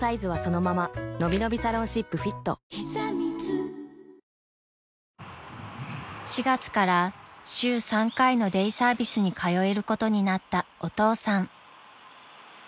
睡眠サポート「グリナ」［４月から週３回のデイサービスに通えることになったお父さん］